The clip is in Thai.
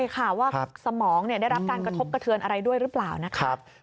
เชิญอะไรด้วยหรือเปล่านะ